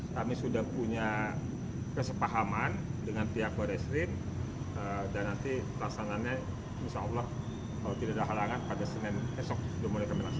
kami sudah punya kesepahaman dengan pihak barres krim dan nanti pelaksanannya insya allah kalau tidak ada halangan pada senin esok dimulai kami laksanakan